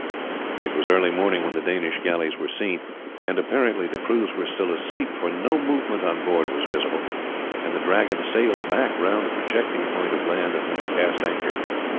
It was early morning when the Danish galleys were seen, and apparently the crews were still asleep, for no movement on board was visible, and the Dragon sailed back round a projecting point of land and then cast anchor.